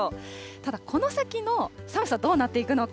ただ、この先の寒さ、どうなっていくのか。